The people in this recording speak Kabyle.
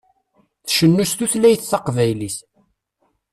Tcennu s tutlayt taqbaylit.